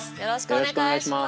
よろしくお願いします。